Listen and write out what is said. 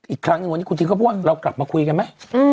อีกครั้งอีกวันนี้คุณทิศก็พูดเรากลับมาคุยกันไหม